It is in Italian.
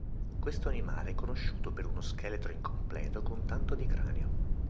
Questo animale è conosciuto per uno scheletro incompleto con tanto di cranio.